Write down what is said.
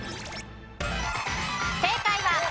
正解は空。